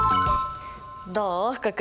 どう福君？